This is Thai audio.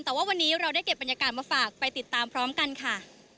แต่ว่าวันนี้เราได้เก็บบรรยากาศมาฝากไปติดตามพร้อมกันค่ะ